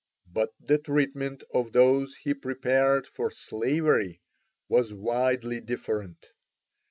But the treatment of those he prepared for slavery was widely different.